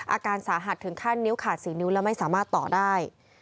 อาการสาหัสถึงขั้นนิ้วขาด๔นิ้วแล้วไม่สามารถต่อได้